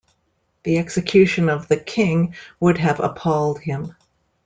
The execution of the King would have appalled him.